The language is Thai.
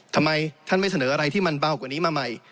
ทำไมท่านไม่เสนออะไรที่มันเบากว่านี้มาใหม่